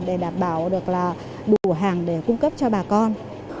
để đảm bảo được là đủ hàng để cung cấp cho bà con